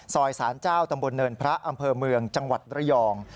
สารเจ้าตำบลเนินพระอำเภอเมืองจังหวัดระยอง